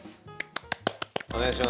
お願いします。